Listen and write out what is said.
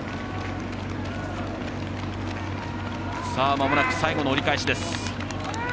まもなく最後の折り返しです。